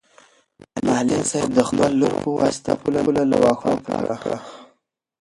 معلم صاحب د خپل لور په واسطه پوله له واښو پاکه کړه.